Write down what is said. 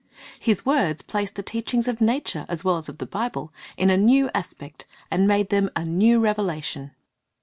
His words placed the teachings of nature as well as of the Bible in a new aspect, and made them a new revelation.